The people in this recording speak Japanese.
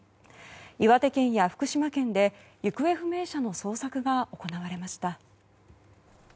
岩手県や福島県で行方不明者の捜索が行われました。